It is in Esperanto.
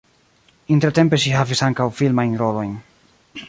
Intertempe ŝi havis ankaŭ filmajn rolojn.